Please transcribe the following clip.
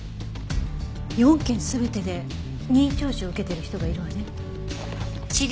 ４件全てで任意聴取を受けている人がいるわね。